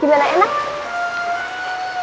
enak enak enak